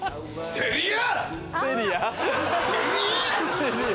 セリア！